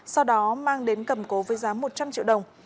sau đó mang đến cầm cố với giá một triệu đồng